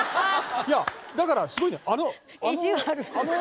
いやだからすごいんだよ。